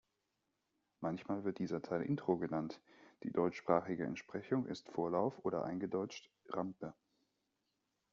Manchmal wird dieser Teil Intro genannt, die deutschsprachige Entsprechung ist "Vorlauf" oder eingedeutscht "Rampe".